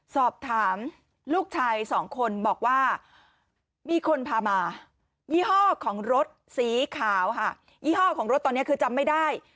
สอบถามลูกชายสองคนบอกว่ามีคนพามายี่ห้อของรถสีขาวค่ะยี่ห้อของรถตอนนี้คือจำไม่ได้